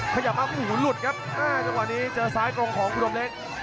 ขยับมาโอ้โหหลุดครับจังหวะนี้เจอซ้ายตรงของอุดมเล็ก